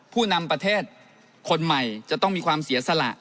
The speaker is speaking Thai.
ผู้นำประเทศคนใหม่จะต้องมีความเสียสละ